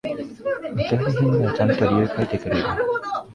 訳あり品ならちゃんと理由書いてくれよ